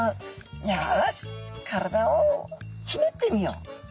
「よし体をひねってみよう」。